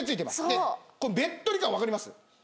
でべっとり感分かります？